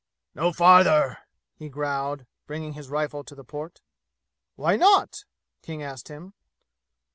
"No farther!" he growled, bringing his rifle to the port. "Why not?" King asked him.